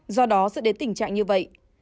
do đó sẽ đến tình trạng như vậy